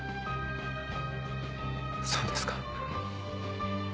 そうですか。